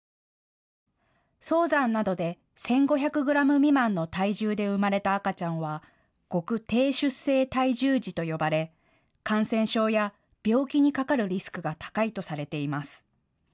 早産などで１５００グラム未満の体重で生まれた赤ちゃんは極低出生体重児と呼ばれ感染症や病気にかかるリスクが高いとされています。